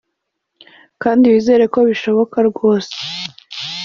kandi wizere ko bishoboka rwose